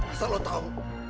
asal lo tau